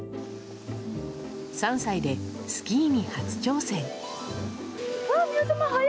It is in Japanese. ３歳でスキーに初挑戦。